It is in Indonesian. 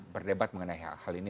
berdebat mengenai hal ini